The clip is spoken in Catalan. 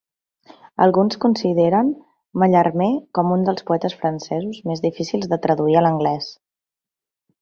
Alguns consideren Mallarmé com un dels poetes francesos més difícils de traduir a l'anglès.